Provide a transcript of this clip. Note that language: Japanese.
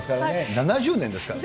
７０年ですからね。